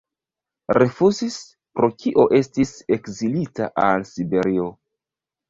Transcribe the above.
Rifuzis, pro kio estis ekzilita al Siberio.